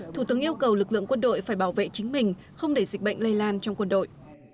thủ tướng yêu cầu lực lượng quân đội phải bảo vệ chính mình không để dịch bệnh lây lan trong quân đội